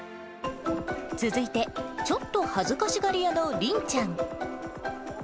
続いて、ちょっと恥ずかしがり屋のりんちゃん。